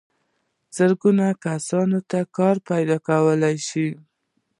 زرګونو کسانو ته کار پیدا شوی.